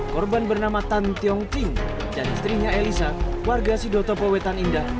korban bernama tan tiong ching dan istrinya elisa warga sidoto powetan indah